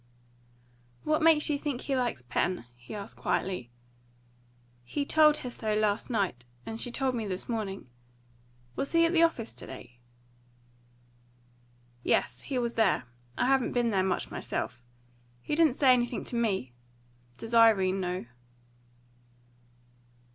"What makes you think he likes Pen?" he asked quietly. "He told her so last night, and she told me this morning. Was he at the office to day?" "Yes, he was there. I haven't been there much myself. He didn't say anything to me. Does Irene know?"